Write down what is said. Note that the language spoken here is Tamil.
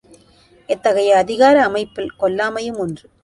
இத்தகைய அதிகார அமைப்பில் கொல்லாமையும் ஒன்று.